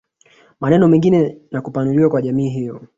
Maeneo mengine na kupanuliwa kwa jamii hiyo